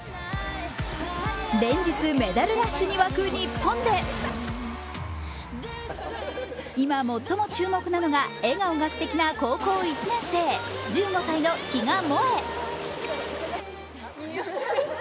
連日メダルラッシュに沸く日本で、今最も注目なのが笑顔がすてきな高校１年生、１５歳の比嘉もえ。